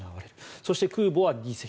そして、空母は２隻。